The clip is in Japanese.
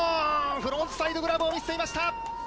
フロントサイドグラブを見せていました。